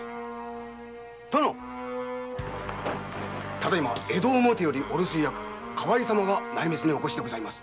ただ今江戸表よりお留守居役河合様が内密にお越しです。